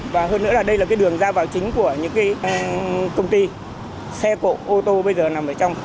và hơn nữa là đây là cái đường ra vào chính của những cái công ty xe cộ ô tô bây giờ nằm ở trong